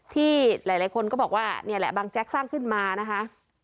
ที่หลายคนก็บอกว่านี่แหละบางแจ๊กสร้างขึ้นมานะคะ